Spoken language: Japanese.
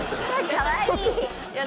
かわいい！